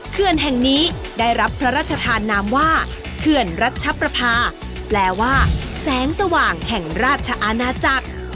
เขื่อนแห่งนี้ได้รับพระราชทานนามว่าเขื่อนรัชประพาแปลว่าแสงสว่างแห่งราชอาณาจักร